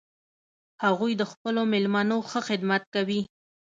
هغوی د خپلو میلمنو ښه خدمت کوي